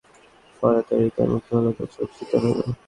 ফলে তাঁর হৃদয় মুগ্ধ হল তাঁর চোখ শীতল হল।